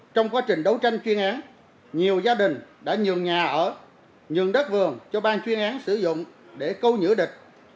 trong quá trình đấu tranh chuyên án nhiều gia đình đã nhường nhà ở nhường đất vườn cho bang chuyên án sử dụng để câu nhữ địch